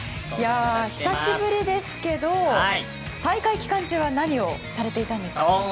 久しぶりですけど大会期間中は何をされていたんですか？